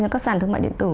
các sản thương mại điện tử